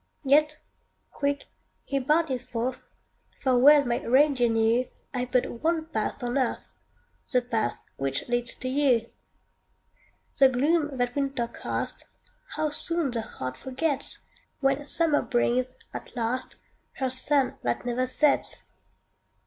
Yet quick he bounded forth; For well my reindeer knew I've but one path on earth The path which leads to you. The gloom that winter cast, How soon the heart forgets, When summer brings, at last, Her sun that never sets!